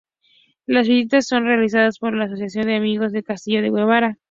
Las visitas son realizadas por la Asociación de Amigos del Castillo de Guevara.